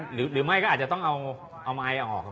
หรือไม่ก็อาจจะต้องเอาไม้ออก